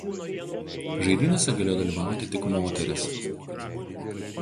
Žaidynėse galėjo dalyvauti tik moterys.